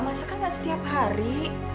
masa kan gak setiap hari